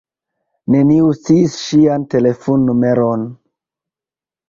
Neniu sciis ŝian telefonnumeron.